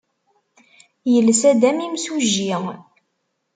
Yelsa-d am yimsujji.